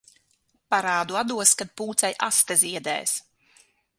Parādu atdos, kad pūcei aste ziedēs.